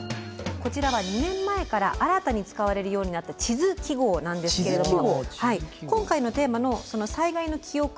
こちらは２年前から新たに使われるようになった地図記号なんですけれども今回のテーマの災害の記憶にも関係しています。